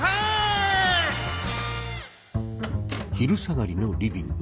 昼下がりのリビング。